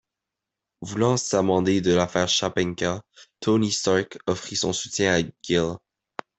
Voulant s'amender de l'affaire Shapanka, Tony Stark offrit son soutien à Gill.